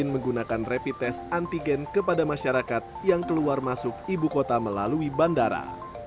menggunakan rapid test antigen kepada masyarakat yang keluar masuk ibu kota melalui bandara